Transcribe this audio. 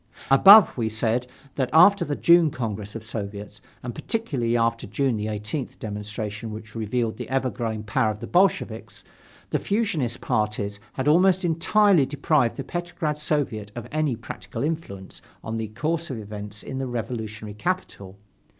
Above, we said that after the June Congress of Soviets, and particularly after the June 18th demonstration which revealed the ever growing power of the Bolsheviks, the fusionist parties had almost entirely deprived the Petrograd Soviet of any practical influence on the course of events in the revolutionary capital.